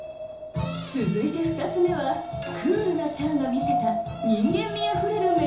続いて２つ目はクールなシャアが見せた人間味あふれる名ゼリフ。